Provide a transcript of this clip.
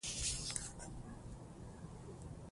په مکه مکرمه کې کعبه شریفه له فضا روښانه ښکاري.